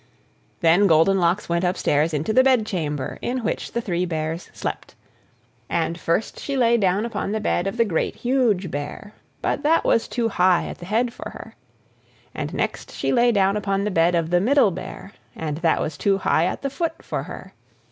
Then Goldenlocks went upstairs into the bedchamber in which the three Bears slept. And first she lay down upon the bed of the Great, Huge Bear, but that was too high at the head for her. And next she lay down upon the bed of the Middle Bear, and that was too high at the foot for her.